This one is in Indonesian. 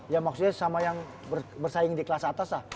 ya maksudnya sama yang bersaing di kelas atas lah